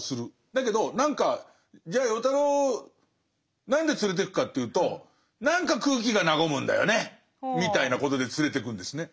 だけど何かじゃあ与太郎何で連れてくかというと何か空気が和むんだよねみたいなことで連れてくんですね。